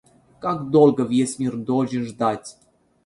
Как долго весь мир должен ждать?